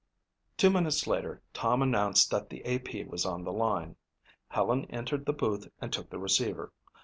Two minutes later Tom announced that the A.P. was on the line. Helen entered the booth and took the receiver.